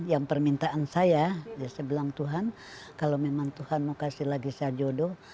yang permintaan saya saya bilang tuhan kalau memang tuhan mau kasih lagi saya jodoh